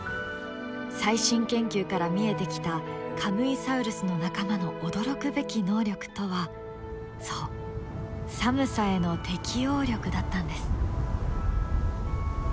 最新研究から見えてきたカムイサウルスの仲間の驚くべき能力とはそう寒さへの適応力だったんです。